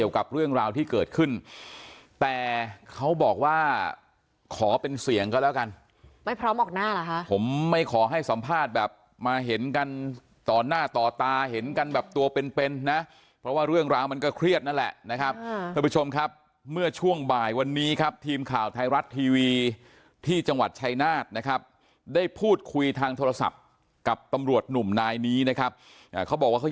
เขาบอกว่าขอเป็นเสียงก็แล้วกันไม่พร้อมออกหน้าหรอฮะผมไม่ขอให้สัมภาษณ์แบบมาเห็นกันต่อหน้าต่อตาเห็นกันแบบตัวเป็นเป็นนะเพราะว่าเรื่องราวมันก็เครียดนั่นแหละนะครับอ่าท่านผู้ชมครับเมื่อช่วงบ่ายวันนี้ครับทีมข่าวไทยรัสทีวีที่จังหวัดชายนาฬนะครับได้พูดคุยทางโทรศัพท์กับ